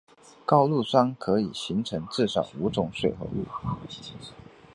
高氯酸可以形成至少五种水合物。